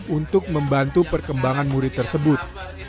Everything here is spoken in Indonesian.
untuk membantu perkembangan murid tersebut